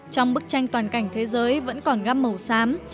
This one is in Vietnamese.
trong bức tranh toàn cảnh thế giới vẫn còn gam màu xám